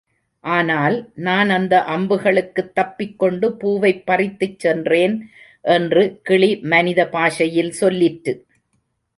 ஆனால், நான் அந்த அம்புகளுக்குத் தப்பிக்கொண்டு பூவைப் பறித்துச்சென்றேன் என்று கிளி மனித பாஷையில் சொல்லிற்று.